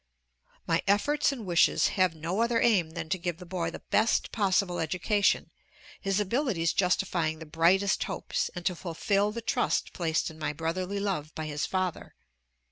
My efforts and wishes have no other aim than to give the boy the best possible education his abilities justifying the brightest hopes and to fulfill the trust placed in my brotherly love by his father.